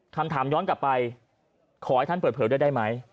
คำถามย้อนกลับไปขอให้ท่านเปิดเผยด้วยได้ไหม